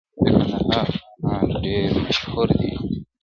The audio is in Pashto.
د کندهار انار ډیر مشهور دي.